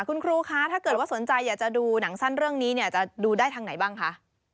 คุณครูคะถ้าเกิดว่าสนใจอยากจะดูหนังสั้นเรื่องนี้เนี่ยจะดูได้ทางไหนบ้างคะ